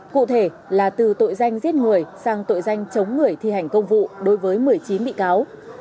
cụ thể là từ tội danh giết người sang tội danh chống người thi hành công vụ đối với một mươi chín bị cáo